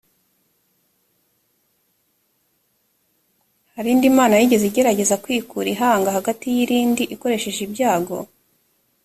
hari indi mana yigeze igerageza kwikurira ihanga hagati y’irindi ikoresheje ibyago